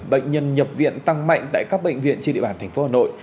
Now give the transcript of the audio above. bệnh nhân nhập viện tăng mạnh tại các bệnh viện trên địa bàn thành phố hà nội